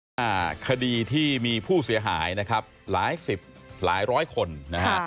อ่าคดีที่มีผู้เสียหายนะครับหลายสิบหลายร้อยคนนะฮะ